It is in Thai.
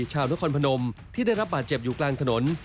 ชาวนครพนมที่ได้รับบาดเจ็บอยู่กลางถนน